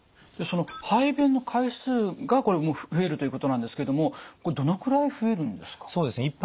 その排便の回数がこれ増えるということなんですけどもこれどのくらい増えるんですか？